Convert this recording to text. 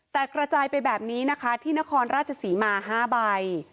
แต่กระจายไปแบบนี้นะคะที่นครราชศรีมา๕ใบ